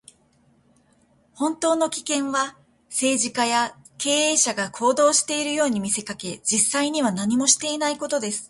本当の危険は、政治家や経営者が行動しているように見せかけ、実際には何もしていないことです。